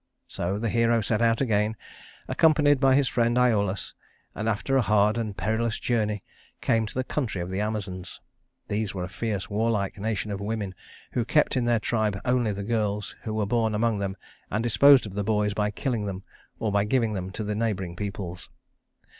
So the hero set out again, accompanied by his friend Iolaus; and after a hard and perilous journey came to the country of the Amazons. These were a fierce, warlike nation of women who kept in their tribe only the girls who were born among them and disposed of the boys by killing them, or by giving them to the neighboring peoples.